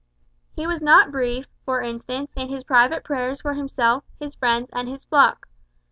He was not brief, for instance, in his private prayers for himself, his friends, and his flock.